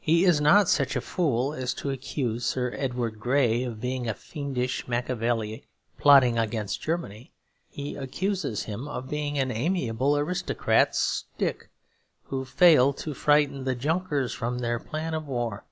He is not such a fool as to accuse Sir Edward Grey of being a fiendish Machiavelli plotting against Germany; he accuses him of being an amiable aristocratic stick who failed to frighten the Junkers from their plan of war.